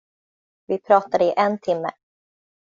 Vi pratade i en timme.